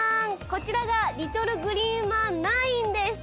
こちらがリトルグリーンまん９です。